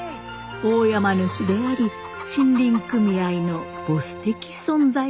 大山主であり森林組合のボス的存在です。